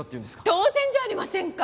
当然じゃありませんか。